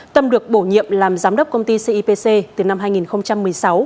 tâm được bổ nhiệm làm giám đốc công ty cipc từ năm hai nghìn một mươi sáu